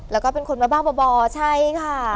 แล้วก็เป็นคนบ้าบ่อใช่ค่ะ